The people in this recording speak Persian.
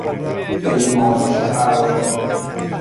پیمایش اراضی